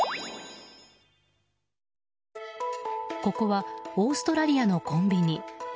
ここはオーストラリアのコンビニ。